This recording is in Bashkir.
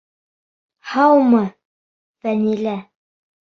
Һаумы, Фәнилә!